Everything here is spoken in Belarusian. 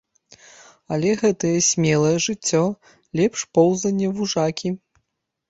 Але гэтае смелае жыццё лепш поўзання вужакі.